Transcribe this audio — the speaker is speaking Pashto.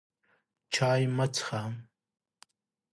چای مه څښه!